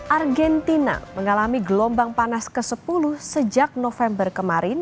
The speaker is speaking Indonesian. argentina mengalami gelombang panas ke sepuluh sejak november kemarin